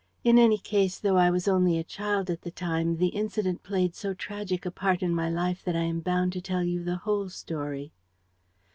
"In any case, though I was only a child at the time, the incident played so tragic a part in my life that I am bound to tell you the whole story."